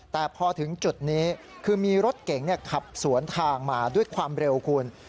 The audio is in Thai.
แต่พอถึงจุดนี้คือมีรถเก๋งขับสวนทางมาด้วยความเร็วคุณ